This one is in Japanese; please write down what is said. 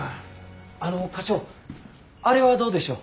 あの課長あれはどうでしょう。